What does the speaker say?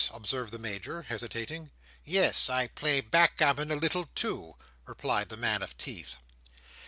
observed the Major, hesitating. "Yes, I play backgammon a little too," replied the man of teeth.